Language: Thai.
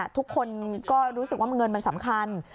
ทุกคนก็รู้สึกว่าเงินมันสำคัญ